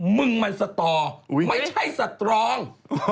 มึงมันสตอไม่ใช่สตรอง